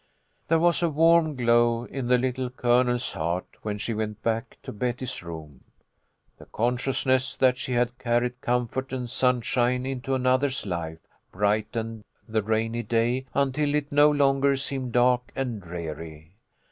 There was a warm glow in the Little Colonel's heart when she went back to Betty's room. The consciousness that she had carried comfort and sun shine into another's life brightened the rainy day until it no longer seemed dark and dreary.